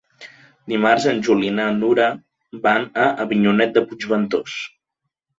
Dimarts en Juli i na Nura van a Avinyonet de Puigventós.